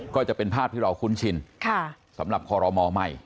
ก็จะเป็นภาพที่เราคุ้นชินสำหรับคอรมอลใหม่